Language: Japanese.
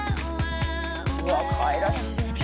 「うわっかわいらしいな」